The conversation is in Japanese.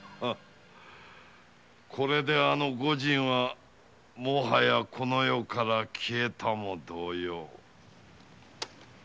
これであのご仁はもはやこの世から消えたも同様。